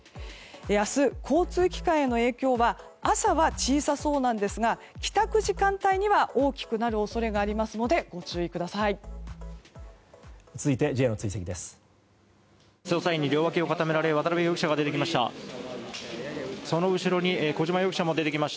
明日、交通機関への影響は朝は小さそうなんですが帰宅時間帯には大きくなる恐れがありますので続いてＪの追跡です。